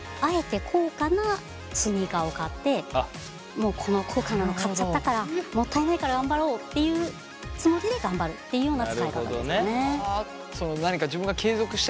もうこの高価なの買っちゃったからもったいないから頑張ろうっていうつもりで頑張るっていうような使い方ですかね。